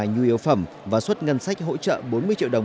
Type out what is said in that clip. nhu yếu phẩm và xuất ngân sách hỗ trợ bốn mươi triệu đồng